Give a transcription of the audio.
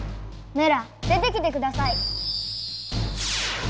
メラ出てきてください。